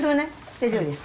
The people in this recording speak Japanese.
大丈夫ですか？